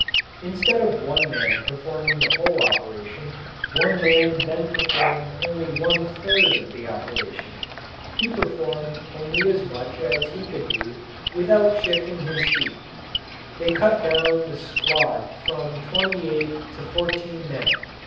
Instead of one man performing the whole operation, one man then performed only one third of the operation he performed only as much as he could do without shifting his feet. They cut down the squad from twenty eight to fourteen men.